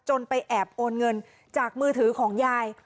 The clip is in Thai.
ไปแอบโอนเงินจากมือถือของยาย